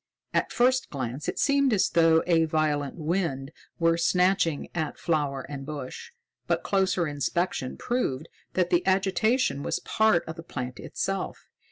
At first glance it seemed as though a violent wind were snatching at flower and bush, but closer inspection proved that the agitation was part of the plant itself.